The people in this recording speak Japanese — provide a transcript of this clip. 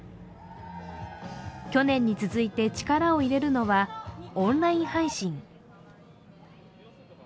去年に続いて力を入れるのはオンライン配信。